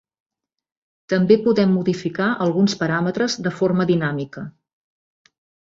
També podem modificar alguns paràmetres de forma dinàmica.